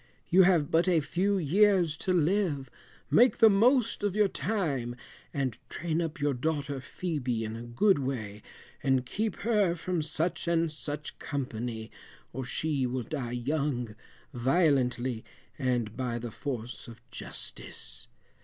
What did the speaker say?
You have but a few years to live, make the most of your time, and train up your daughter Phœbe in a good way, and keep her from such and such company, or she will die young, violently, and by the force of justice.